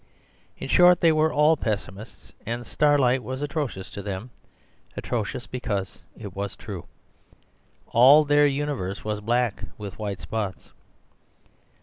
In short, they were all pessimists, and starlight was atrocious to them— atrocious because it was true. All their universe was black with white spots.